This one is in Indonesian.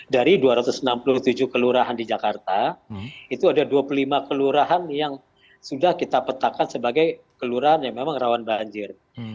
dari dua ratus enam puluh tujuh kelurahan di jakarta itu ada dua puluh lima kelurahan yang sudah kita petakan sebagai kelurahan yang memang rawan banjir